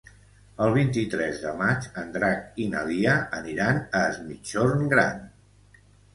El vint-i-tres de maig en Drac i na Lia aniran a Es Migjorn Gran.